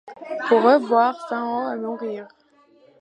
Pour eux voir Fin-Hauts et mourir.